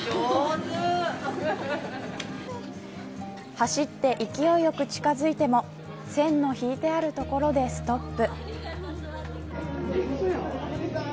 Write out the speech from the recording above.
走って、勢いよく近づいても線の引いてある所でストップ。